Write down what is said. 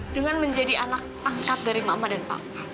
dengan menjadi anak angkat dari mama dan papa